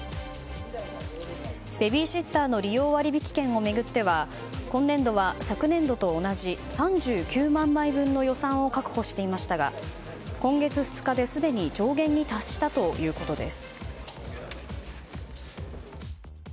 ベビーシッターの利用割引券を巡っては今年度は、昨年度と同じ３９万枚分の予算を確保していましたが今月２日ですでに上限に達したということです。